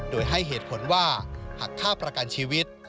โดยให้เหตุผลว่าหักค่าประกันชีวิต